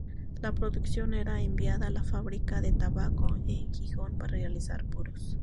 La producción era enviada a la Fábrica de Tabaco de Gijón para realizar puros.